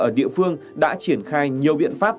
ở địa phương đã triển khai nhiều biện pháp